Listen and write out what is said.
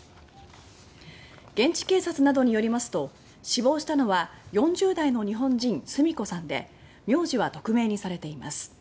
現地警察などによりますと死亡したのは４０代の日本人、スミコさんで苗字は匿名にされています。